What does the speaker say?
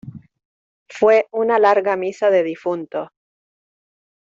fué una larga misa de difuntos.